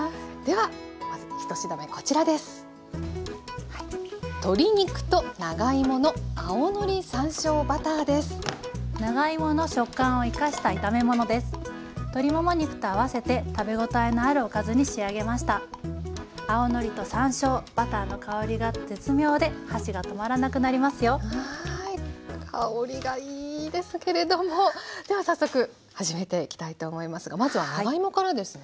はい香りがいいですけれどもでは早速始めていきたいと思いますがまずは長芋からですね。